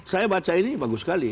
saya baca ini bagus sekali